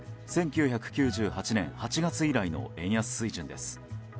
１９９８年８月以来の円安水準です。